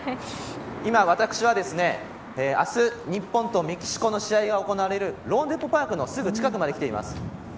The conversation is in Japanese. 今、私は明日、日本とメキシコの試合が行われるローンデポ・パークのすぐ近くまで来ています。